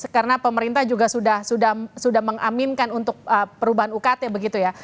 karena pemerintah juga sudah mengaminkan untuk perubahan ukt begitu ya